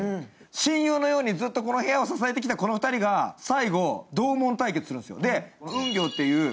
親友のようにずっと部屋を支えてきたこの２人が最後、同門対決するんですよ。